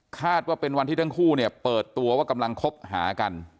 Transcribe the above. คาดว่าเป็นวันที่ทั้งคู่เนี่ยเปิดตัวว่ากำลังคบหากัน